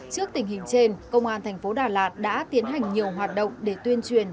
trước tình hình trên công an thành phố đà lạt đã tiến hành nhiều hoạt động để tuyên truyền